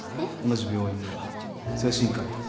同じ病院の精神科医